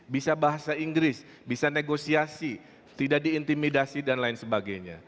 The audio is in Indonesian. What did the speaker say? bisa bahasa inggris bisa negosiasi tidak diintimidasi dan lain sebagainya